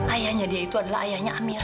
ayahnya dia itu adalah ayahnya amir